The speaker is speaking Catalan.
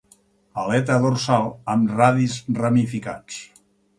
Aleta dorsal amb radis ramificats.